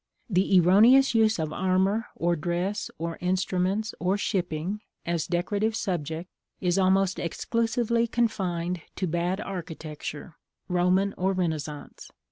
The erroneous use of armor, or dress, or instruments, or shipping, as decorative subject, is almost exclusively confined to bad architecture Roman or Renaissance.